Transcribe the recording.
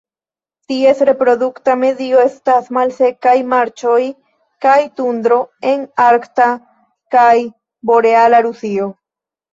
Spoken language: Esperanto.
Ties reprodukta medio estas malsekaj marĉoj kaj tundro en arkta kaj boreala Rusio.